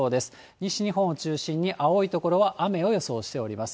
西日本を中心に青い所は雨を予想しております。